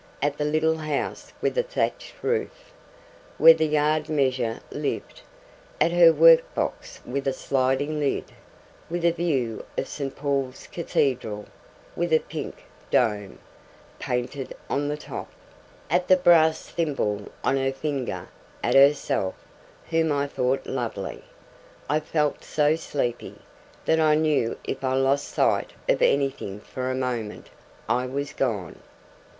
at the little house with a thatched roof, where the yard measure lived; at her work box with a sliding lid, with a view of St. Paul's Cathedral (with a pink dome) painted on the top; at the brass thimble on her finger; at herself, whom I thought lovely. I felt so sleepy, that I knew if I lost sight of anything for a moment, I was gone.